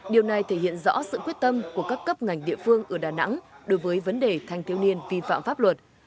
điều này thể hiện rõ sự quyết tâm của các cấp ngành địa phương ở đà nẵng đối với vấn đề thanh thiếu niên vi phạm pháp luật